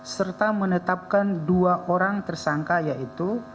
serta menetapkan dua orang tersangka yaitu